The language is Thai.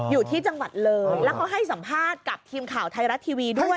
อยู่ที่จังหวัดเลยแล้วเขาให้สัมภาษณ์กับทีมข่าวไทยรัฐทีวีด้วย